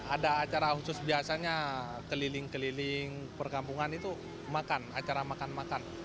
ada acara khusus biasanya keliling keliling perkampungan itu makan acara makan makan